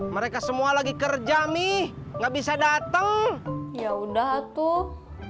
mereka semua lagi kerja mi nggak bisa dateng ya udah tuh